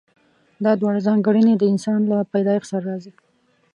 دا دواړه ځانګړنې د انسان له پيدايښت سره راځي.